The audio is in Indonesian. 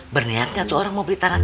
berniat gak tuh orang mau beli tanah